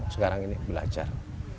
sekarang ini belajar